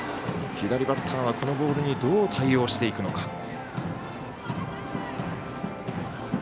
左バッターはこのボールにどう対応していくのか。